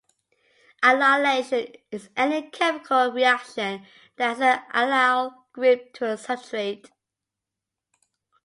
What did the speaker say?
Allylation is any chemical reaction that adds an allyl group to a substrate.